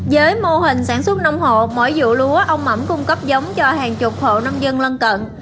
với mô hình sản xuất nông hộ mỗi vụ lúa ông mẩm cung cấp giống cho hàng chục hộ nông dân lân cận